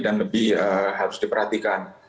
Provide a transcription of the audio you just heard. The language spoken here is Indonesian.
dan lebih harus diperhatikan